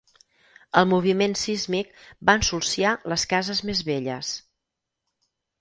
El moviment sísmic va ensulsiar les cases més velles.